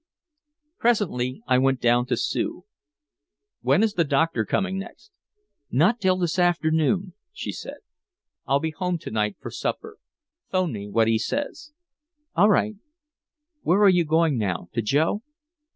Presently I went down to Sue: "When is the doctor coming next?" "Not till this afternoon," she said. "I'll be home to night for supper. Phone me what he says." "All right where are you going now? To Joe?"